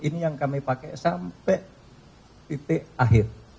ini yang kami pakai sampai titik akhir